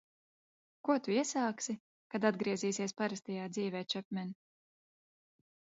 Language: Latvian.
Ko tu iesāksi, kad atgriezīsies parastajā dzīvē, Čepmen?